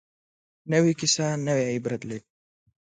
نوې کیسه نوې عبرت لري